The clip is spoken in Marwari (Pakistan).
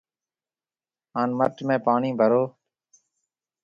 هان مٽ ۾ پاڻِي ڀرو